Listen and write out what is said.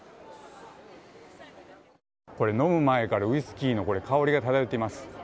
飲む前からウイスキーの香りが漂っています。